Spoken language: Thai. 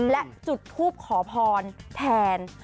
และจุดทูปขอพรแทน